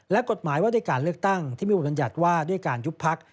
และกฎหมายว่าด้วยการเลือกตั้งที่มีบทบรรยัติว่าด้วยการยุบพัก